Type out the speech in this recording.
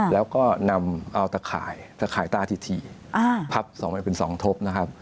แล้วก็นำเอาตะข่ายตะข่ายตาที่ที่พับส่องมาเป็นส่องทบนะครับ